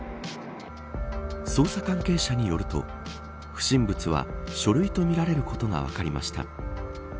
捜査関係者によると不審物は書類とみられることが分かりました。